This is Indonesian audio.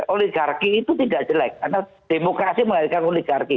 oligarki itu tidak jelek karena demokrasi menghadirkan oligarki